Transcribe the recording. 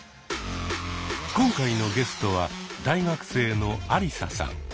今回のゲストは大学生のアリサさん。